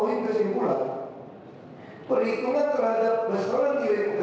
ini perhitungannya setakat